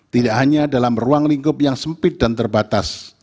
tidak hanya dalam ruang lingkup yang sempit dan terbatas